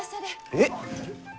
えっ！